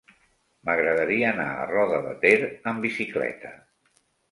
M'agradaria anar a Roda de Ter amb bicicleta.